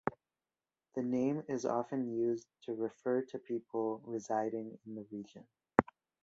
The name is often used to refer to people residing in the region.